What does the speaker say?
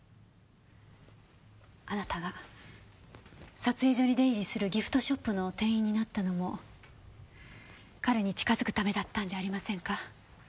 あなたが撮影所に出入りするギフトショップの店員になったのも彼に近づくためだったんじゃありませんか？